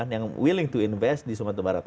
yang willing to invest di sumatera barat